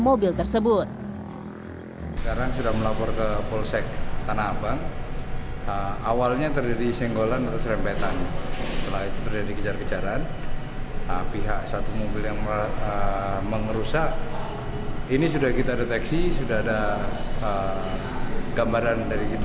ketika mobil tersebut dikejar kejaran